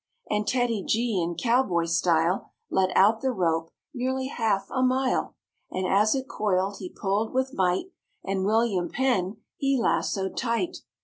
And TEDDY G in cow boy style Let out the rope, nearly half a mile, And as it coiled he pulled with might And William Penn he lassoed tight.